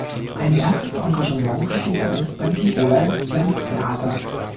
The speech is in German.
Ein erstes Engagement hatte Jannings beim Tiroler Landestheater.